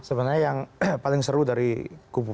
sebenarnya yang paling sering saya lihat adalah pak yelfon